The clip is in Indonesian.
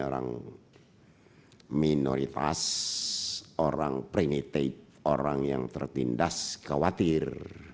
orang minoritas orang primited orang yang tertindas khawatir